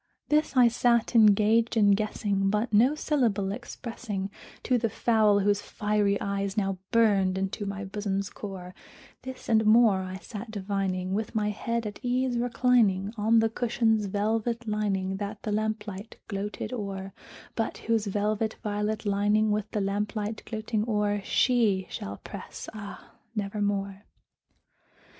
This I sat engaged in guessing, but no syllable expressing To the fowl whose fiery eyes now burned into my bosom's core; This and more I sat divining, with my head at ease reclining On the cushion's velvet lining that the lamplight gloated o'er, But whose velvet violet lining with the lamplight gloating o'er She shall press, ah, nevermore!